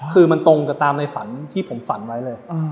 คือมันตรงกับตามในฝันที่ผมฝันไว้เลย